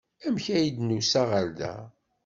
Amek ay d-nusa ɣer da?